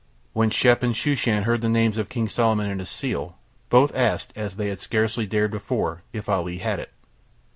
When Shep and Shooshan heard the names of King Solomon and his seal both asked, as they had scarcely dared before, if Ali had it.